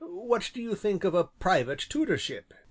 "What do you think of a private tutorship?"